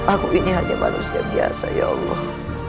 aku ini hanya manusia biasa ya allah